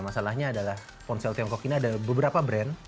masalahnya adalah ponsel tiongkok ini ada beberapa brand